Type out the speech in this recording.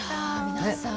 皆さん